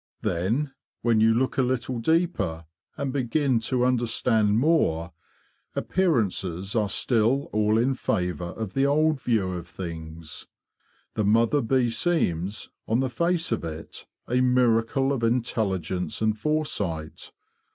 Then, when you look a little deeper and begin to under stand more, appearances are still all in favour of the old view of things. The mother bee seems, on the face of it, a miracle of intelligence and foresight.